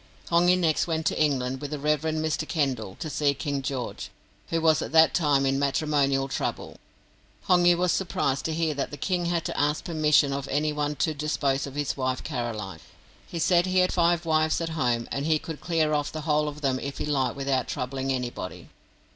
Hongi next went to England with the Rev. Mr. Kendall to see King George, who was at that time in matrimonial trouble. Hongi was surprised to hear that the King had to ask permission of anyone to dispose of his wife Caroline. He said he had five wives at home, and he could clear off the whole of them if he liked without troubling anybody.